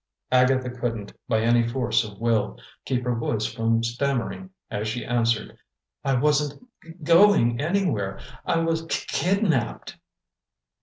Agatha couldn't, by any force of will, keep her voice from stammering, as she answered: "I wasn't g going anywhere! I was k kidnapped!"